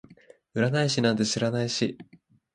占い師なんて知らないし